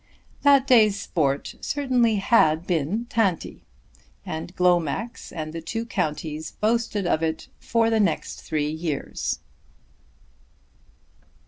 That day's sport certainly had been "tanti," and Glomax and the two counties boasted of it for the next three years.